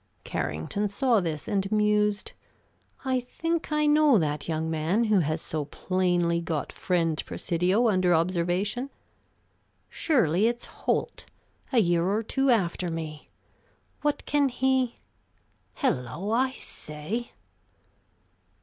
Carrington saw this, and mused. "I think I know that young man who has so plainly got friend Presidio under observation. Surely, it's Holt, a year or two after me. What can he Hello, I say!"